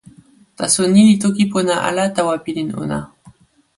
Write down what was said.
taso ni li toki pona ala tawa pilin ona.